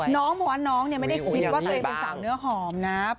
น้องบอกว่าน้องไม่ได้คิดว่าตัวเองเป็นสาวเนื้อหอมนะ